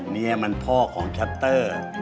นี่มันพ่อของชัตเตอร์